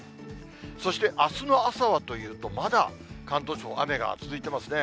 そしてあすの朝はというと、まだ関東地方、雨が続いてますね。